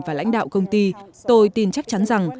và lãnh đạo công ty tôi tin chắc chắn rằng